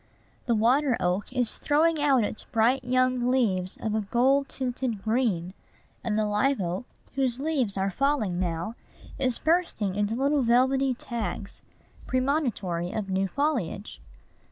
The water oak is throwing out its bright young leaves of a gold tinted green; and the live oak, whose leaves are falling now, is bursting into little velvety tags, premonitory of new foliage.